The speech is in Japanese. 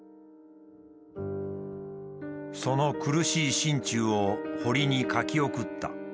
その苦しい心中を堀に書き送った。